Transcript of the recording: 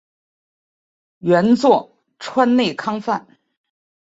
原作川内康范。